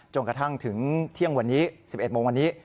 กระทั่งถึงเที่ยงวันนี้๑๑โมงวันนี้